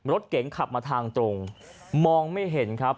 รถเก๋งขับมาทางตรงมองไม่เห็นครับ